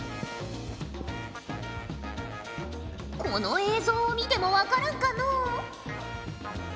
この映像を見ても分からんかのう？